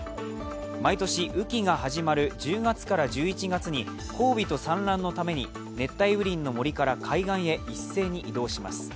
毎年、雨季が始まる１０月から１１月に交尾と産卵のために熱帯雨林の森から海岸へ一斉に移動します。